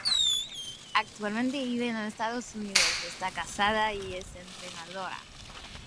Actualmente vive en Estados Unidos, esta casada y es entrenadora.